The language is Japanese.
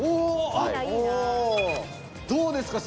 どうですか？